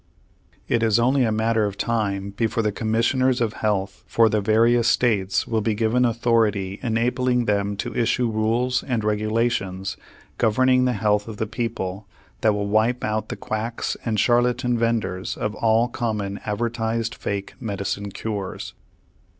It is only a matter of time before the commissioners of health for the various States will be given authority enabling them to issue rules and regulations governing the health of the people that will wipe out the quacks and charlatan venders of all common advertised fake medicine cures.